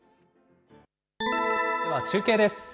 では、中継です。